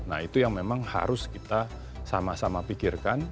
nah itu yang memang harus kita sama sama pikirkan